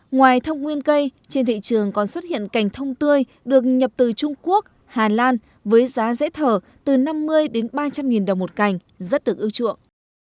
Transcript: ngoài thông nguyên cây trên thị trường còn xuất hiện cành thông tươi được nhập từ trung quốc hà lan với giá dễ thở từ năm mươi đến ba trăm linh nghìn đồng một cành rất được ưa chuộng